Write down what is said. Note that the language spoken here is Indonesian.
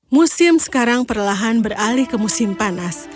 musim sekarang perlahan beralih ke musim panas